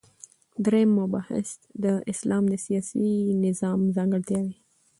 دریم مبحث : د اسلام د سیاسی نظام ځانګړتیاوی